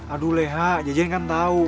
aduh leha jejeng kan tahu